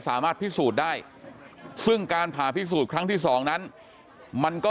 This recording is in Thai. สามารถพิสูจน์ได้ซึ่งการผ่าพิสูจน์ครั้งที่๒นั้นมันก็